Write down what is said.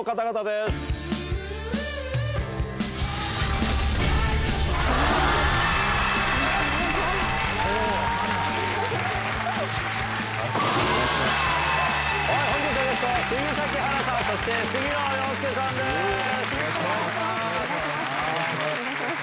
よろしくお願いします。